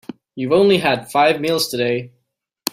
You've only had five meals today.